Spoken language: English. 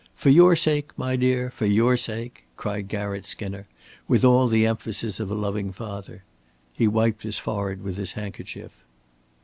For your sake, my dear, for your sake," cried Garratt Skinner, with all the emphasis of a loving father. He wiped his forehead with his handkerchief.